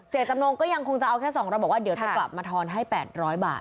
จำนงก็ยังคงจะเอาแค่๒๐๐บอกว่าเดี๋ยวจะกลับมาทอนให้๘๐๐บาท